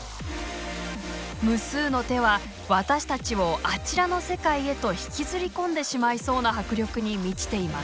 無数の手は私たちをあちらの世界へと引きずり込んでしまいそうな迫力に満ちています。